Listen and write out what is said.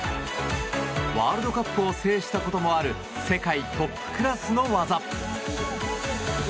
ワールドカップを制したこともある世界トップクラスの技。